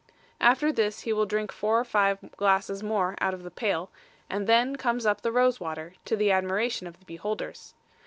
After this he will drink four or five glasses more out of the pail, and then comes up the rose water, to the admiration of the beholders.